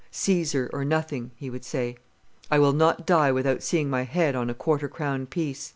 "Caesar or nothing," he would say. "I will not die without seeing my head on a quarter crown piece."